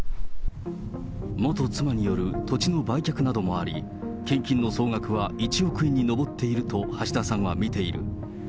元妻による土地の売却などもあり、献金の総額は１億円に上っていると橋田さんは見ている。